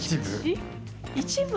一部。